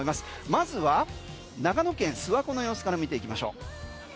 まずは長野県・諏訪湖の様子から見ていきましょう。